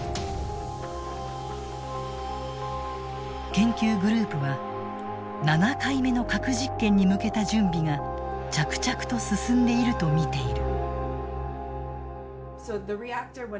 研究グループは７回目の核実験に向けた準備が着々と進んでいると見ている。